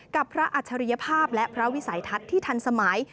กับพระอัจฉริยภาพและพระวิสัยทัศน์ที่ทันสมัย